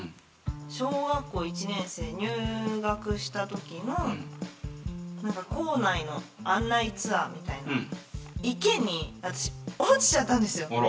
小学校一年生、入学した時の校内の案内ツアーみたいなので、池に落ちちゃったんですよ。